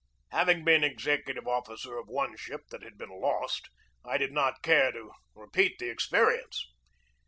Having been executive officer of one ship that had been lost, I did not care to repeat the experi ence.